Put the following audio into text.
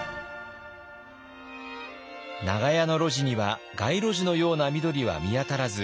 長屋の路地には街路樹のような緑は見当たらず